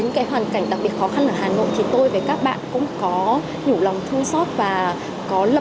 những hoàn cảnh đặc biệt khó khăn ở hà nội thì tôi với các bạn cũng có nhủ lòng thương xót và có lập